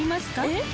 えっ？